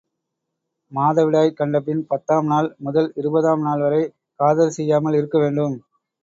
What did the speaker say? மாதவிடாய் கண்டபின் பத்தாம் நாள் முதல் இருபதாம் நாள்வரை காதல் செய்யாமல் இருக்க வேண்டும்.